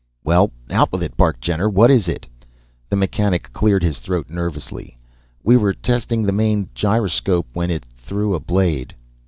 "Well, out with it," barked Jenner. "What is it?" The mechanic cleared his throat nervously. "We were testing the main gyroscope when it threw a blade."